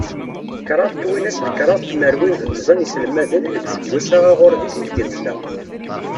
Kraḍ twinas d kraḍ tmerwin d tẓa n yiselmaden, deg useggas-agi aɣurbiz ideg nella.